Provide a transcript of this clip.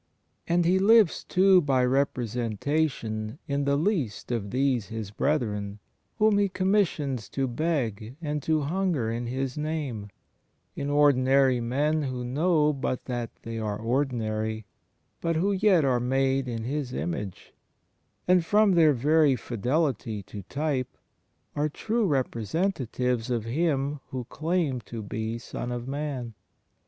And He lives, too, by representation, in "the least of these His brethren" whom He commissions to beg and to himger in His Name — in ordinary men who know but that they are ordinary, but who yet are made in His image, and, from their very fidelity to type, are tme representatives of Him who claimed to be "Son of Man."